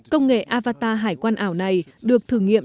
công nghệ avatar hải quan ảo này được thực hiện